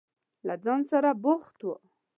له ځان سره بوخت و.